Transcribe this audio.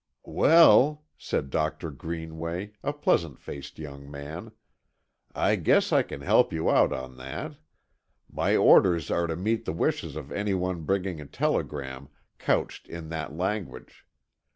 "Well," said Doctor Greenway, a pleasant faced young man, "I guess I can help you out on that. My orders are to meet the wishes of any one bringing a telegram couched in that language.